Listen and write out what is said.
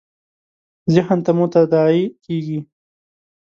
ذهن ته مو تداعي کېږي .